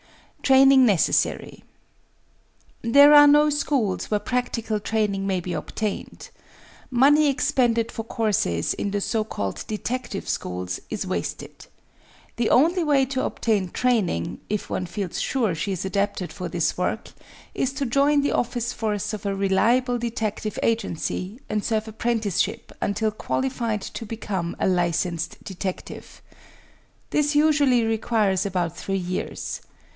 Training necessary There are no schools where practical training may be ob* tained. Money expended for courses in the so called detec tive schools is wasted. The only way to obtain training, if one feels sure she is adapted for this work, is to join the office force of a reliable detective agency and serve apprenticeship until qualified to become a licensed detective. This usually requires about three years.